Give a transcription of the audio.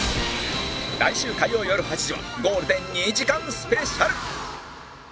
来週火曜よる８時はゴールデン２時間スペシャル！